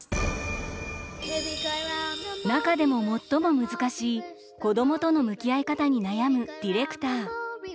中でも最も難しい子どもとの向き合い方に悩むディレクター。